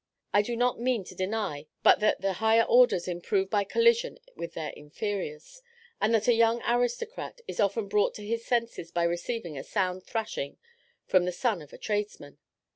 I do not mean to deny but that the higher orders improve by collision with their inferiors, and that a young aristocrat is often brought to his senses by receiving a sound thrashing from the son of a tradesman.